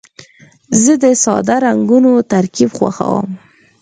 زه د ساده رنګونو ترکیب خوښوم.